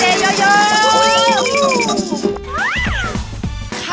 เอาเมซิเจเยอะ